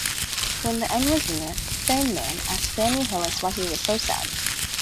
When the end was near, Feynman asked Danny Hillis why he was so sad.